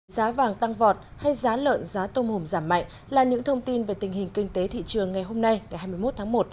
giá vàng tăng vọt hay giá lợn giá tôm hùm giảm mạnh là những thông tin về tình hình kinh tế thị trường ngày hôm nay ngày hai mươi một tháng một